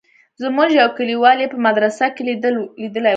زموږ يو کليوال يې په مدرسه کښې ليدلى و.